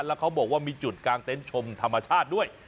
แล้วเขาบอกว่ามีจุดกางเต็นต์ชมธรรมชาติด้วย